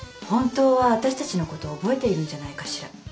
本当は私たちのこと覚えているんじゃないかしら。